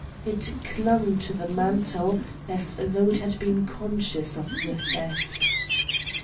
It clung to the mantle as though it had been conscious of the theft.